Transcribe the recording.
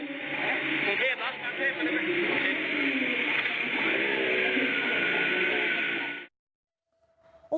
แล้วท้ายที่สุดก็ชักเกรงหมดสติอยู่